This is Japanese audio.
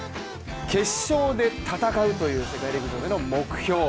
「決勝で戦う！！」という世界陸上での目標。